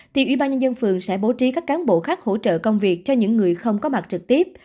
thì ubnd phường sẽ bố trí các cán bộ khác hỗ trợ công việc cho những người không có mặt trực tiếp